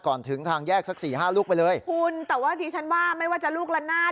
ถึงทางแยกสักสี่ห้าลูกไปเลยคุณแต่ว่าดิฉันว่าไม่ว่าจะลูกละนาด